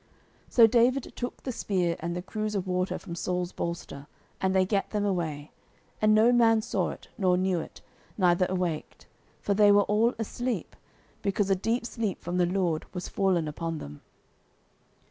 09:026:012 So David took the spear and the cruse of water from Saul's bolster; and they gat them away, and no man saw it, nor knew it, neither awaked: for they were all asleep; because a deep sleep from the LORD was fallen upon them.